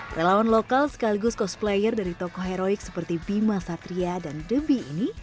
relawan lokal sekaligus cosplayer dari tokoh heroik seperti bima satria dan debi ini